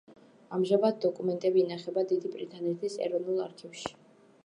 ამჟამად, დოკუმენტები ინახება დიდი ბრიტანეთის ეროვნულ არქივში.